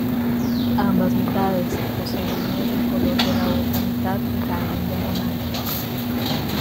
Ambas mitades poseen líneas del color de la otra mitad que caen en diagonal.